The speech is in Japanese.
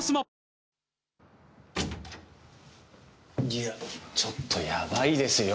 いやちょっとやばいですよ。